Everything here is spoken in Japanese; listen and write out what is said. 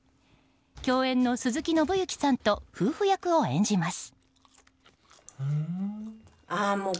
共演の鈴木伸之さんと夫婦役を演じます。